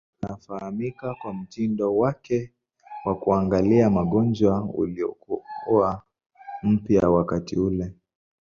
Anafahamika kwa mtindo wake wa kuangalia magonjwa uliokuwa mpya wakati ule.